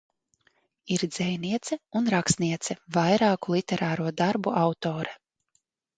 Ir dzejniece un rakstniece, vairāku literāro darbu autore.